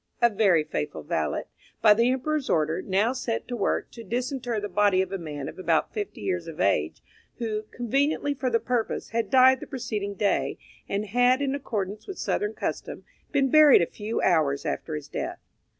A very faithful valet, by the Emperor's order, now set to work to disinter the body of a man of about fifty years of age, who, conveniently for the purpose, had died the preceding day, and had, in accordance with southern custom, been buried a few hours after his death.